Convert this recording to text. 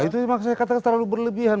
itu yang saya katakan terlalu berlebihan